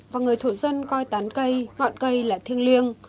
và người thổ dân coi tán cây ngọn cây là thiêng liêng